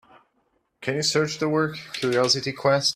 Can you search the work, Curiosity Quest?